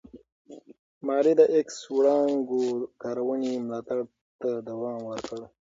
ماري د ایکس وړانګو کارونې ملاتړ ته دوام ورکړ.